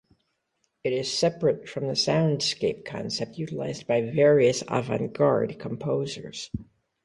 It is separate from the soundscape concept utilized by various avant-garde composers.